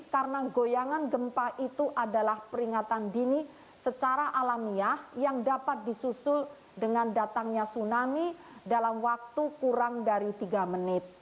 karena goyangan gempa itu adalah peringatan dini secara alamiah yang dapat disusul dengan datangnya tsunami dalam waktu kurang dari tiga menit